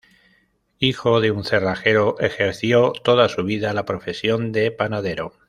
Hijo de un cerrajero, ejerció toda su vida la profesión de panadero.